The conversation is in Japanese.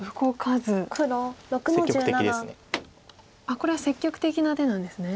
あっこれは積極的な手なんですね。